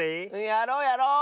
やろうやろう！